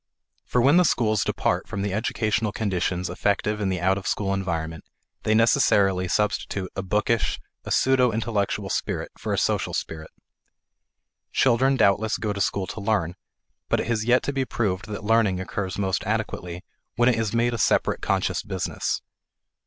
For when the schools depart from the educational conditions effective in the out of school environment, they necessarily substitute a bookish, a pseudo intellectual spirit for a social spirit. Children doubtless go to school to learn, but it has yet to be proved that learning occurs most adequately when it is made a separate conscious business.